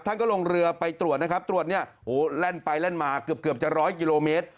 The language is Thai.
ท่านก็ลงเรือไปตรวจนะครับตรวจเนี่ยโหแล่นไปแล่นมาเกือบจะร้อยกิโลเมตร